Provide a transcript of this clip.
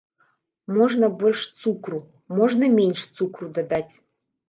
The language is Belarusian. Можна больш цукру, можна менш цукру дадаць.